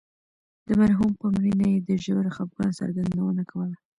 د مرحوم په مړینه یې د ژور خفګان څرګندونه کوله.